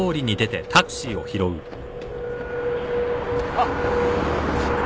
あっ。